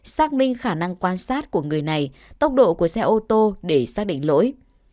xác minh khả năng quan sát của người này tốc độ của xe ô tô để xác định lỗi